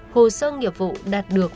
hồ sơ nghiệp vụ đạt được